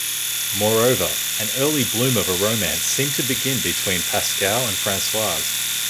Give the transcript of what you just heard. Moreover, an early bloom of a romance seemed to begin between Pascaud and Françoise.